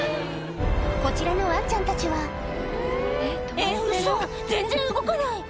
こちらのワンちゃんたちはえっウソ全然動かない！